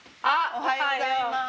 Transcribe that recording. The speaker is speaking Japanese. おはようございます。